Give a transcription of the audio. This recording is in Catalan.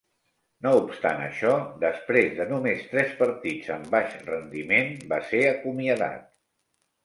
No obstant això, després de només tres partits amb baix rendiment, va ser acomiadat.